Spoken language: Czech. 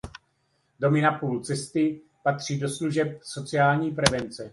Domy na půli cesty patří do služeb sociální prevence.